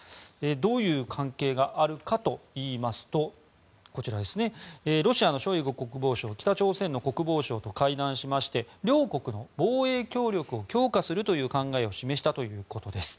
どういう関係があるかといいますとロシアのショイグ国防相北朝鮮の国防相と会談しまして両国の防衛協力を強化する考えを示したということです。